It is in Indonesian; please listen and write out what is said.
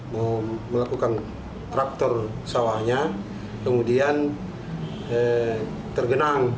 mau melakukan traktor sawahnya kemudian tergenang